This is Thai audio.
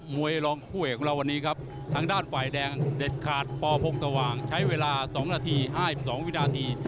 วยรองคู่เอกของเราวันนี้ครับทางด้านฝ่ายแดงเด็ดขาดปพงสว่างใช้เวลา๒นาที๕๒วินาที